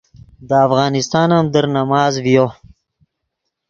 دے افغانستان ام در نماز ڤیو